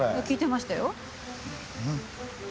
聞いてましたよ。